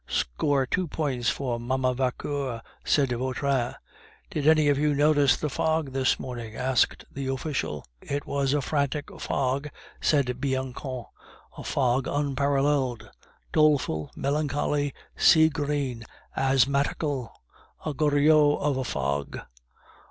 "Score two points to Mamma Vauquer," said Vautrin. "Did any of you notice the fog this morning?" asked the official. "It was a frantic fog," said Bianchon, "a fog unparalleled, doleful, melancholy, sea green, asthmatical a Goriot of a fog!"